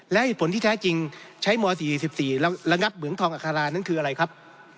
และเหตุผลที่แท้จริงใช้ม๔๔ระงับเหมืองทองอัครานั้นคืออะไรครับ